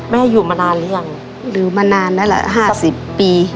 แม่อยู่มานานหรือยังอยู่มานานแล้วหรอห้าสิบปี